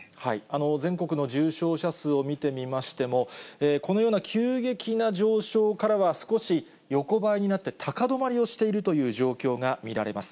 全国の重症者数を見てみましても、このような急激な上昇からは少し横ばいになって、高止まりをしているという状況が見られます。